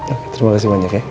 oke terima kasih banyak ya